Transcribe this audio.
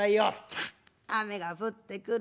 「ザッ雨が降ってくる。